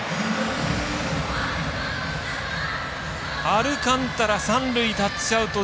アルカンタラ、三塁タッチアウト。